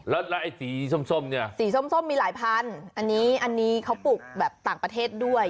แล้วไอ้สีส้มเนี่ยสีส้มมีหลายพันอันนี้อันนี้เขาปลูกแบบต่างประเทศด้วย